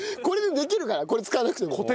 これでできるからこれ使わなくても。